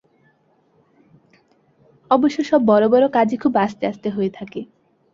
অবশ্য সব বড় বড় কাজই খুব আস্তে আস্তে হয়ে থাকে।